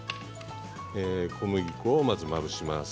小麦粉をまず、まぶします。